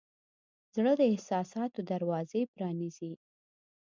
زړه د احساساتو دروازې پرانیزي.